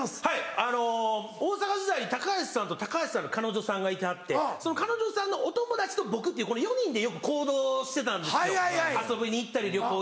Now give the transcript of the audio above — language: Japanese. はいあの大阪時代に高橋さんと高橋さんの彼女さんがいてはってその彼女さんのお友達と僕って４人でよく行動してたんですよ。